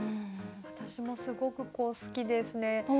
私もすごく好きですね。